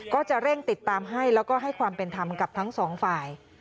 ก็จะเร่งติดตามให้แล้วก็ให้ความเป็นธรรมกับทั้งสองฝ่าย